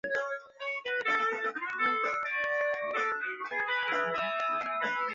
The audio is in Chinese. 巴亚尔塔港和马萨特兰的多个度假胜地有数以千计的居民和游客做好撤离准备。